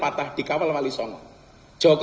joko tinggirip dikawal kanjeng sunan kali joko